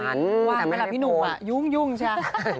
หวานเวลาพี่หนุ่มอะยุ่งใช่ไหม